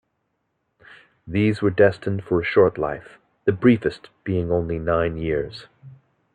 These were destined for a short life, the briefest being only nine years.